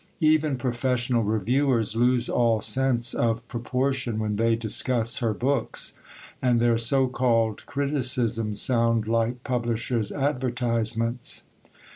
Even professional reviewers lose all sense of proportion when they discuss her books, and their so called criticisms sound like publishers' advertisements.